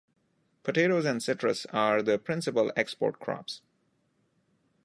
Potatoes and citrus are the principal export crops.